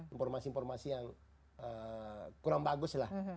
informasi informasi yang kurang bagus lah